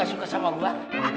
tuh kan selalu sibuk banget ger